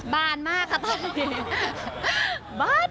บ้านมากครับตอนนี้